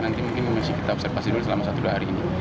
nanti mungkin masih kita observasi dulu selama satu dua hari ini